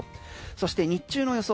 そして日中の予想